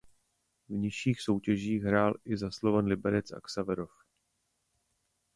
V nižších soutěžích hrál i za Slovan Liberec a Xaverov.